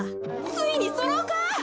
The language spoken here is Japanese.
ついにそろうか？